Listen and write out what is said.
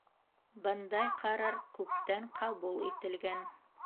Бындай ҡарар күптән ҡабул ителгән.